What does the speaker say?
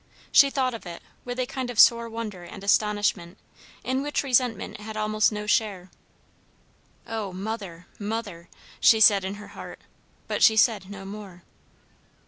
She thought of it with a kind of sore wonder and astonishment, in which resentment had almost no share. "O, mother, mother!" she said in her heart; but she said no more.